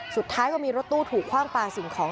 สุดท้ายก็มีรถตู้ถูกคว่างปลาสิ่งของ